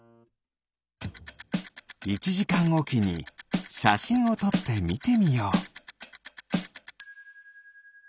１じかんおきにしゃしんをとってみてみよう。